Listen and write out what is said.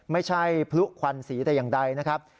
ไม่ใช่พลุควันศีร์แต่อย่างใดนะครับ